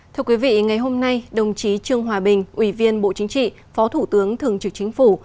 thưa quý vị ngày hôm nay đồng chí trương hòa bình ủy viên bộ chính trị phó thủ tướng thường trực chính phủ